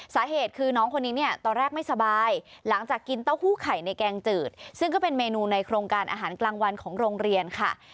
สาเหตุคือน้องคนนี้เนี่ยตอนแรกไม่สบายหลังจากกินเต้าหู้ไข่ในแกงจืดซึ่งก็เป็นเมนูในโครงการอาหารกลางวันของโรงเรียนค่ะ